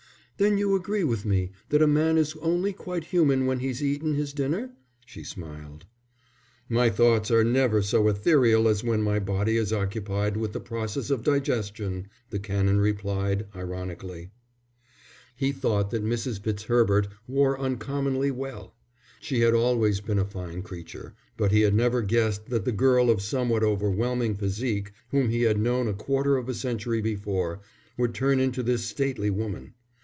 "Then you agree with me, that a man is only quite human when he's eaten his dinner?" she smiled. "My thoughts are never so ethereal as when my body is occupied with the process of digestion," the Canon replied, ironically. He thought that Mrs. Fitzherbert wore uncommonly well. She had always been a fine creature, but he had never guessed that the girl of somewhat overwhelming physique whom he had known a quarter of a century before, would turn into this stately woman.